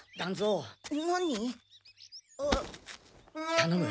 たのむ。